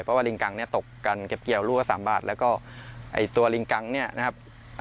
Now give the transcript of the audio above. เพราะว่าลิงกังเนี่ยตกกันเก็บเกี่ยวลูกละ๓บาทแล้วก็ไอ้ตัวลิงกังเนี่ยนะครับ